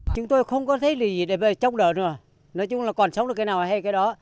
chúng tôi không có thấy gì để chống đỡ rồi nói chung là còn sống được cái nào hay cái đó